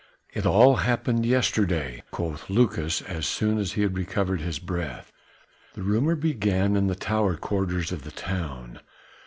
"It all happened yesterday," quoth Lucas as soon as he had recovered his breath, "the rumour began in the lower quarters of the town.